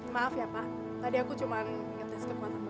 maaf ya pak tadi aku cuma inget deskripsi mata bapak